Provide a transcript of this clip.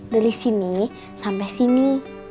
dari sini sampai sini